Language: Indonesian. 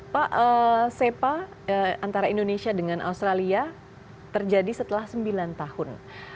pak sepa antara indonesia dengan australia terjadi setelah sembilan tahun